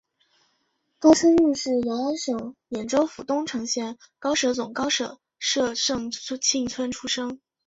高春育是乂安省演州府东城县高舍总高舍社盛庆村出生。